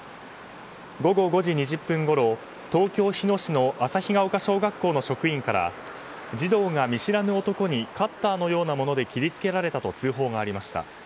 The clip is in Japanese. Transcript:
午後５時２０分ごろ東京・日野市の小学校の職員から児童が見知らぬ男にカッターのようなもので切り付けられたと通報がありました。